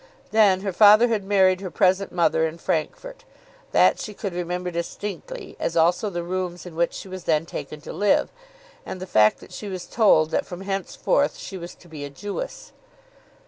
Then her father had married her present mother in Francfort. That she could remember distinctly, as also the rooms in which she was then taken to live, and the fact that she was told that from henceforth she was to be a Jewess.